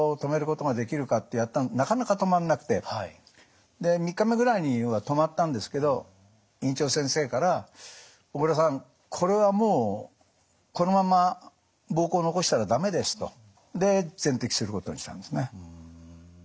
なかなか止まんなくてで３日目ぐらいには止まったんですけど院長先生から「小倉さんこれはもうこのまんま膀胱残したら駄目です」と。で全摘することにしたんですね。